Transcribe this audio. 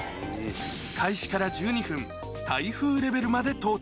開始から１２分、台風レベルまで到達。